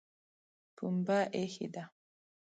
پمبه ایښې ده